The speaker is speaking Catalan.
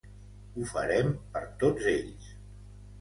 Ho farem per tots ells.